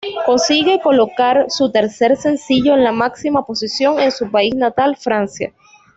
Consigue colocar su tercer sencillo en la máxima posición en su país natal, Francia.